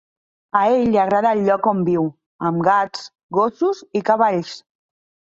A ell li agrada el lloc on viu, amb gats, gossos i cavalls.